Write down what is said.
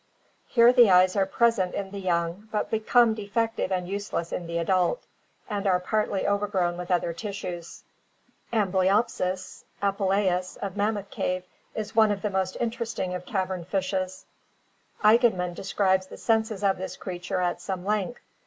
Here the eyes are present in the young but become defective and useless in the adult, and are partly overgrown with other tissues. Amblyopsis spelaus (Fig. 9S,A) of Mammoth Cave is one of the most interesting of cavern fishes. Eigenmann describes the senses of this creature at some length.